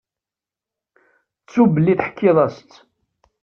Ttu belli teḥkiḍ-as-tt.